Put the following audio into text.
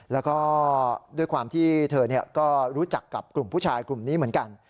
แล้วก็ด้วยความที่เธอก็รู้จักกับกลุ่มผู้ชายกลุ่มนี้เหมือนกัน